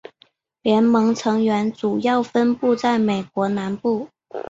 联盟成员主要分布在美国南部。